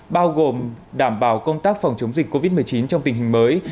bao gồm đảm bảo công tác phòng chống dịch covid một mươi chín trong tình hình mới